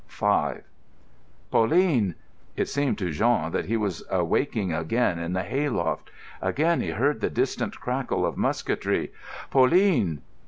V "Pauline!" It seemed to Jean that he was awaking again in the hay loft. Again he heard the distant crackle of musketry. "Pauline!"